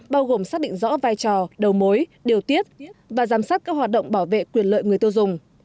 bao gồm xác định rõ vai trò đầu mối điều tiết và giám sát các hoạt động bảo vệ quyền lợi người tiêu dùng